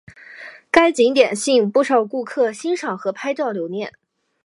该景点吸引不少顾客欣赏和拍照留念。